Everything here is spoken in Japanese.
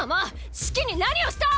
シキに何をした！